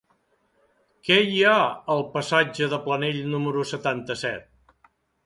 Què hi ha al passatge de Planell número setanta-set?